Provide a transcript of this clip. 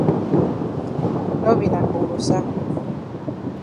No be na kongosa.